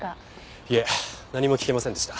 いえ何も聞けませんでした。